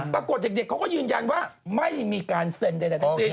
ปรากฏเด็กเขาก็ยืนยันว่าไม่มีการเซ็นใดทั้งสิ้น